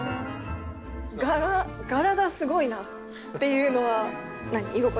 柄柄がすごいなっていうのは。